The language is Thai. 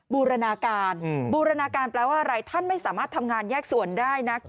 บูรณาการบูรณาการแปลว่าอะไรท่านไม่สามารถทำงานแยกส่วนได้นะ